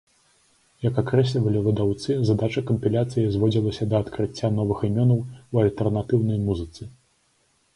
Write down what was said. Як акрэслівалі выдаўцы, задача кампіляцыі зводзілася да адкрыцця новых імёнаў у альтэрнатыўнай музыцы.